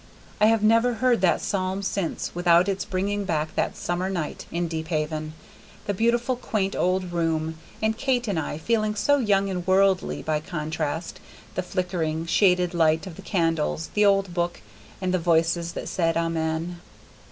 I have never heard that psalm since without its bringing back that summer night in Deephaven, the beautiful quaint old room, and Kate and I feeling so young and worldly, by contrast, the flickering, shaded light of the candles, the old book, and the voices that said Amen.